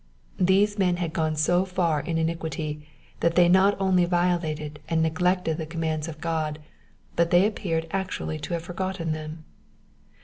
These men had gone so far in iniquity that they not only violated and neglected the commands of God, but they appeared actually to have forgotten t^em.